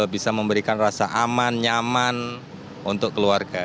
bisa memberikan rasa aman nyaman untuk keluarga